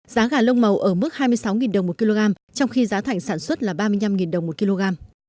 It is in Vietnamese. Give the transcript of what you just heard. giá gà lông màu ở mức hai mươi sáu đồng một kg trong khi giá thảnh sản xuất là ba mươi năm đồng một kg